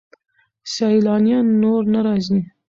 سیلانیان نور نه راځي.